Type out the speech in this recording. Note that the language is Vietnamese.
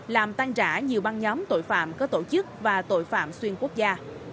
làm tan trả nhiều băng nhóm tội phạm có tổ chức và tội phạm xuyên quốc gia